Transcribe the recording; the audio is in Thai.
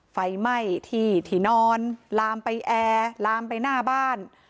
ไฟไหม้ที่ที่นอนลามไปแอร์ลามไปหน้าบ้าน